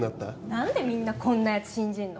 何でみんなこんなヤツ信じんの？